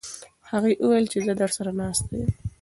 هغې وویل چې زه درسره ناسته یم.